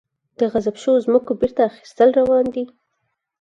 د غصب شویو ځمکو بیرته اخیستل روان دي؟